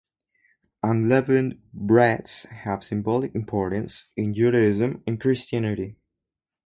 Unleavened breads have symbolic importance in Judaism and Christianity.